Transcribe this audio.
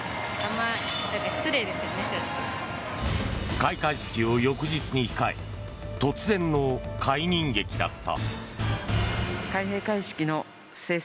開会式を翌日に控え突然の解任劇だった。